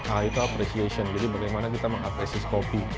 a itu appreciation jadi bagaimana kita mengapresis kopi